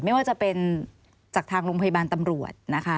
ไม่ว่าจะเป็นจากทางโรงพยาบาลตำรวจนะคะ